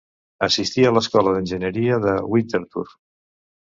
Assistí a l'escola d'Enginyeria de Winterthur.